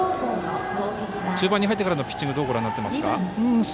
中盤に入ってからのピッチングどうご覧になってますか。